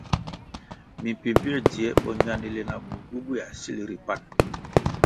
Mi mpimpier dzie bo ñandili na bur bubuéa sil ri pan.